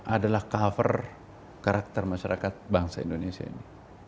adalah cover karakter masyarakat bangsa indonesia ini